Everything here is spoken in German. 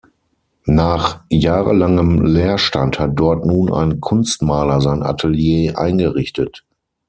Nach Jahrelangem Leerstand hat dort nun ein Kunstmaler sein Atelier eingerichtet.